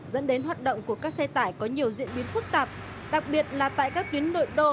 dẫn đến hoạt động của các xe tải có nhiều diễn biến phức tạp đặc biệt là tại các tuyến nội đô